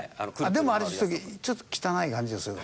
でもあれちょっと汚い感じがするよな。